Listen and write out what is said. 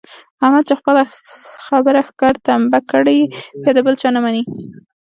احمد چې په خپله خبره ښکر تمبه کړي بیا د بل چا نه مني.